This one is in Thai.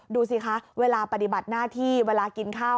ดูสิคะเวลาปฏิบัติหน้าที่เวลากินข้าว